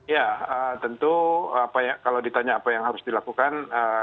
ya tentu kalau ditanya apa yang harus dilakukan